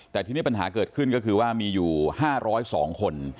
แต่ทีนี้ปัญหาเกิดขึ้นก็คือว่ามีอยู่๕๐๒คน